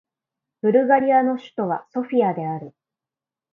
ブルガリアの首都はソフィアである